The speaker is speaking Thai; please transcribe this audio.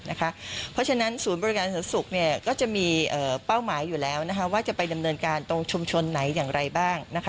เพราะฉะนั้นศูนย์บริการส่วนสุขก็จะมีเป้าหมายอยู่แล้วว่าจะไปดำเนินการตรงชุมชนไหนอย่างไรบ้าง